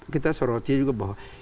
kita sorotin juga bahwa